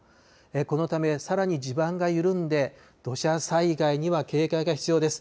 このためさらに地盤が緩んで土砂災害には警戒が必要です。